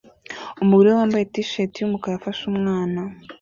Umugore wambaye t-shati yumukara afashe umwana